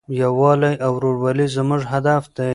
یووالی او ورورولي زموږ هدف دی.